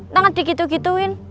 tangan di gitu gituin